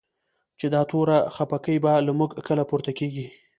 چی دا توره خپکی به؛ له موږ کله پورته کیږی